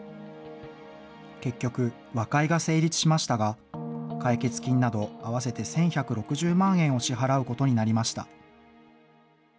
結局、和解が成立しましたが、解決金など、合わせて１１６０万円を支払うことになりました。